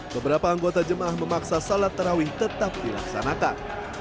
beberapa anggota jemaah memaksa salat tarawih tetap dilaksanakan